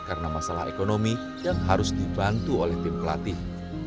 karena masalah ekonomi yang harus dibantu oleh tim pelatih